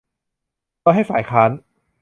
โดยให้ฝ่ายค้าน